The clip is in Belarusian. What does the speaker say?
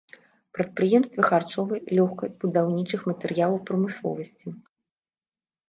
Прадпрыемствы харчовай, лёгкай, будаўнічых матэрыялаў прамысловасці.